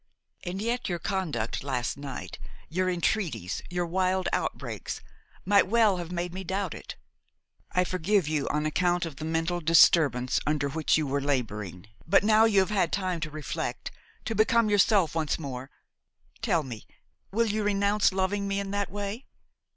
And yet your conduct last night, your entreaties, your wild outbreaks, might well have made me doubt it. I forgave you on account of the mental disturbance under which you were laboring; but now you have had time to reflect, to become yourself once more; tell me, will you renounce loving me in that way?